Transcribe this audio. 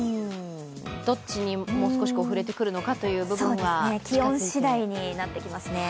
どっちにもう少し振れてくるのかという部分は気温次第になってきますね。